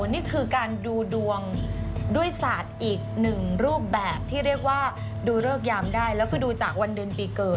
นี่คือการดูดวงด้วยศาสตร์อีกหนึ่งรูปแบบที่เรียกว่าดูเริกยามได้แล้วคือดูจากวันเดือนปีเกิด